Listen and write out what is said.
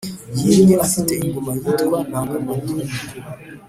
yimye afite ingoma yitwa nangamadumbu.